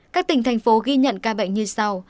các tỉnh thành phố ghi nhận ca bệnh như sau